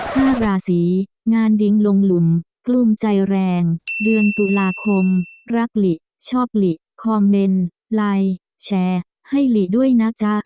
ห้าราศีงานดิงลงหลุมกลุ่มใจแรงเดือนตุลาคมรักหลิชอบหลีคอมเมนต์ไลน์แชร์ให้หลีด้วยนะจ๊ะ